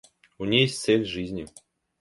У ней есть цель жизни.